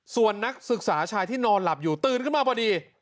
ส่วนนักศึกษาชายที่นอนหลับอยู่ตื่นขึ้นมาพอดี